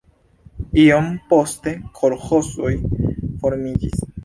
Iom poste kolĥozoj formiĝis.